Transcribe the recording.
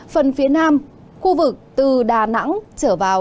phần phía nam khu vực từ đà nẵng trở vào